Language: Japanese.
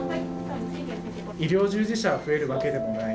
医療従事者が増えるわけでもない。